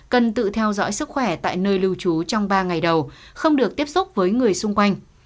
cần tự theo dõi sức khỏe tại nơi lưu trú trong ba ngày đầu không được tiếp xúc với người xung quanh